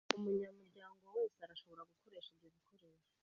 Umunyamuryango wese arashobora gukoresha ibyo bikoresho.